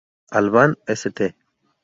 Alban, St.